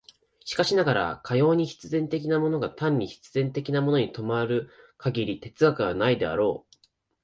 しかしながら、かように必然的なものが単に必然的なものに止まる限り哲学はないであろう。